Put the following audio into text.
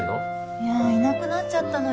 いやいなくなっちゃったのよ